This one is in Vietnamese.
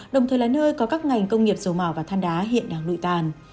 đồng thời là nơi có các ngành công nghiệp dầu màu và than đá hiện đang lụi tàn